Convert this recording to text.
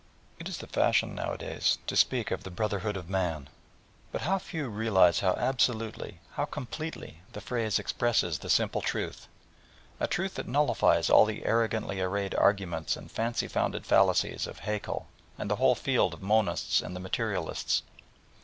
It is the fashion nowadays to speak of the "Brotherhood of man," but how few realise how absolutely, how completely the phrase expresses the simple truth! a truth that nullifies all the arrogantly arrayed arguments and fancy founded fallacies of Haeckel and the whole field of Monists and Materialists.